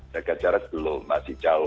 jaga jarak belum masih jauh